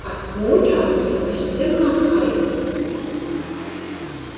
Montags habe ich immer frei.